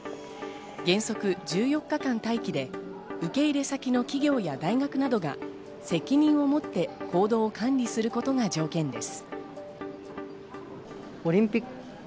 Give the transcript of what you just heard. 原則１４日間待機で、受け入れ先の企業や大学などが責任をもって行動を管理することが条件です。